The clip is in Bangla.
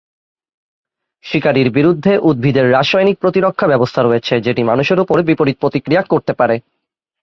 শিকারীর বিরুদ্ধে উদ্ভিদের রাসায়নিক প্রতিরক্ষা ব্যবস্থা রয়েছে যেটি মানুষের উপর বিপরীত প্রতিক্রিয়া করতে পারে।